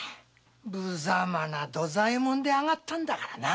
ぶざまな土左衛門であがったんだからな。